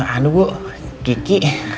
aduh bu kiki